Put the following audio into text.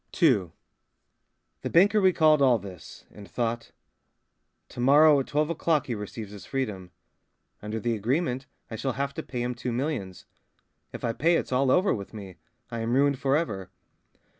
II The banker recalled all this, and thought: "To morrow at twelve o'clock he receives his freedom. Under the agreement, I shall have to pay him two millions. If I pay, it's all over with me. I am ruined for ever